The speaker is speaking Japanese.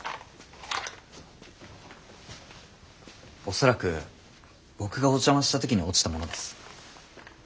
恐らく僕がお邪魔した時に落ちたものです。